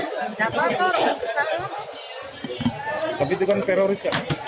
tapi itu kan teroris